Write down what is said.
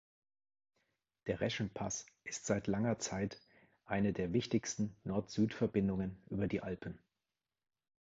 Der Reschenpass ist seit langer Zeit eine der wichtigsten Nord-Süd-Verbindungen über die Alpen.